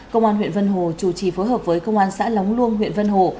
công an huyện vân hồ chủ trì phối hợp với công an xã lóng luông huyện vân hồ